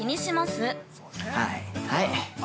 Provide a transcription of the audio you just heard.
はい、はい。